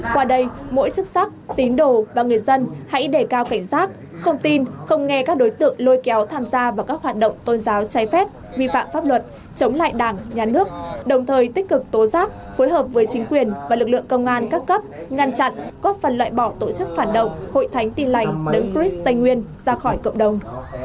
qua đây mỗi chức sắc tín đồ và người dân hãy để cao cảnh giác không tin không nghe các đối tượng lôi kéo tham gia vào các hoạt động tôn giáo cháy phép vi phạm pháp luật chống lại đảng nhà nước đồng thời tích cực tố giác phối hợp với chính quyền và lực lượng công an các cấp ngăn chặn góp phần loại bỏ tổ chức phản động hội thánh tin lạnh đấng chris tây nguyên ra khỏi cộng đồng